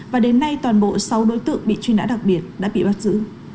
và đến nay toàn bộ sáu đối tượng bị truy nã đặc biệt đã bị bắt giữ